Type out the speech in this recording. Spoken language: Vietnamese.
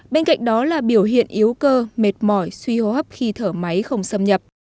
bên cạnh đó là biểu hiện yếu cơ mệt mỏi suy hô hấp khi thở máy không xâm nhập